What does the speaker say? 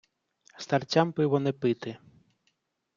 старцям пиво не пити